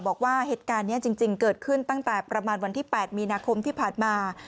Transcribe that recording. บอกว่าเหตุการณ์นี้จริงเกิดขึ้นตั้งแต่ประมาณวันที่๘มีนาคมที่ผ่านมา